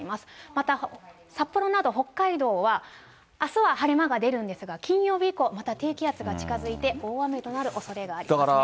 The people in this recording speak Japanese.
また札幌など北海道は、あすは晴れ間が出るんですが、金曜日以降、また低気圧が近づいて大雨となるおそれがありますね。